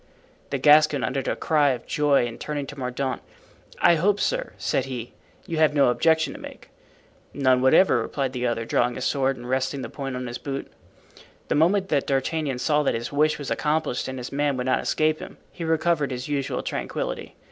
The Gascon uttered a cry of joy and turning to Mordaunt: "I hope, sir," said he, "you have no objection to make." "None, whatever," replied the other, drawing his sword and resting the point on his boot. The moment that D'Artagnan saw that his wish was accomplished and his man would not escape him, he recovered his usual tranquillity.